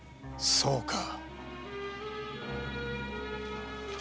そうか。